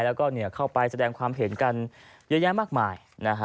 แล้วก็เข้าไปแสดงความเห็นกันเยอะแยะมากมาย